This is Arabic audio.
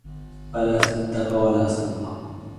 فَلا صَدَّقَ وَلا صَلَّى